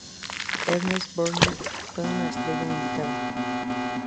Ernest Borgnine fue la estrella invitada.